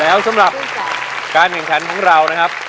แล้วสำหรับการแข่งขันของเรานะครับ